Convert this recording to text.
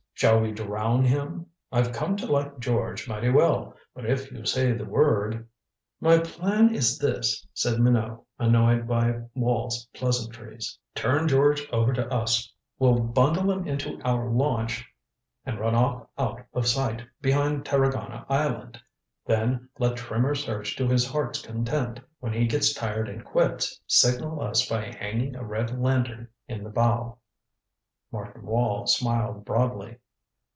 Shall we drown him? I've come to like George mighty well, but if you say the word " "My plan is this," said Minot, annoyed by Wall's pleasantries. "Turn George over to us. We'll bundle him into our launch and run off out of sight behind Tarragona Island. Then, let Trimmer search to his heart's content. When he gets tired and quits, signal us by hanging a red lantern in the bow." Martin Wall smiled broadly.